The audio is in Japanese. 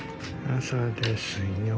朝ですよ。